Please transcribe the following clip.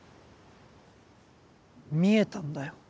見えたんだよ。